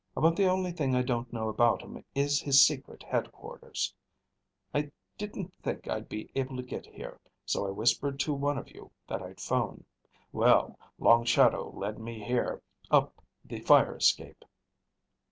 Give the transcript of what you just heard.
About the only thing I don't know about him is his secret headquarters. I didn't think I'd be able to get here, so I whispered to one of you that I'd phone. Well, Long Shadow led me here, up the fire escape.